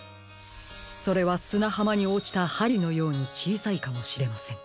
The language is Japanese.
それはすなはまにおちたはりのようにちいさいかもしれません。